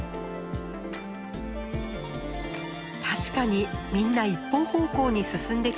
確かにみんな一方方向に進んできています。